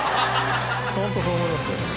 ホントそう思いますよ。